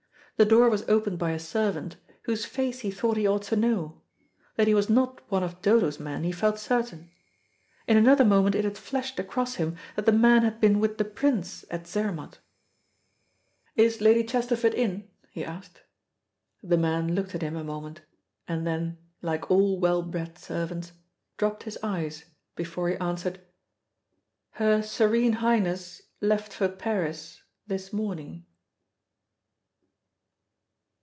The door was opened by a servant, whose face he thought he ought to know; that he was not one of Dodo's men he felt certain. In another moment it had flashed across him that the man had been with the Prince at Zermatt. "Is Lady Chesterford in?" he asked. The man looked at him a moment, and then, like all well bred servants, dropped his eyes before he answered, "Her Serene Highness left for Paris this morning."